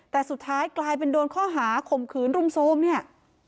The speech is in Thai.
แต่สุดท้ายกลายเป็นโดนข้อหาข่มขืนรุมโทรมเนี่ย